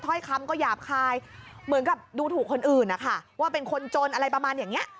ถ้อยคำก็หยาบคายเหมือนกับดูถูกคนอื่นนะคะว่าเป็นคนจนอะไรประมาณอย่างนี้